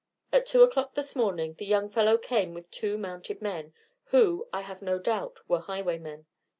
At two o'clock this morning the young fellow came with two mounted men, who, I have no doubt, were highwaymen.